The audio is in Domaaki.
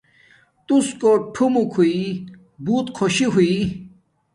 تُوس کوٹ ٹھوموک ہوݵ بوت خوشی ہوݵ